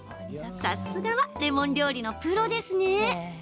さすがはレモン料理のプロですね。